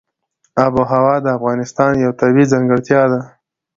آب وهوا د افغانستان یوه طبیعي ځانګړتیا ده.